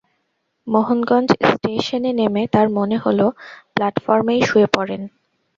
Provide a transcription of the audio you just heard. মোহনগঞ্জ স্টেশনে নেমে তাঁর মনে হলো, প্লাটফরমেই শুয়ে পড়েন।